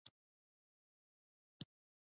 بزګر له هر دانې سره امید لري